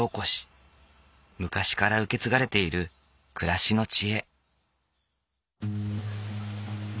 昔から受け継がれている暮らしの知恵。